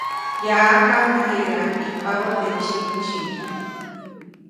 Yaʼajk nimekedenaʼajk ʼijtpabä teʼ ndsyiʼmdsyiʼm.